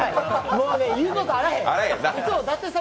もう言うことあらへん。